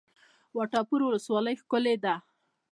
وټه پور ولسوالۍ ښکلې ده؟